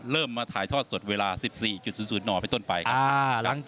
เริ่มมาถ่ายทอดสดเวลา๑๔๐๐นไปต้นไปครับ